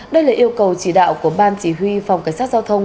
đây là yêu cầu chỉ đạo của ban chỉ huy phòng cảnh sát giao thông